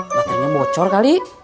baterainya bocor kali